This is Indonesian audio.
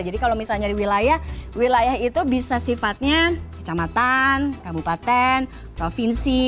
jadi kalau misalnya di wilayah wilayah itu bisa sifatnya kecamatan kabupaten provinsi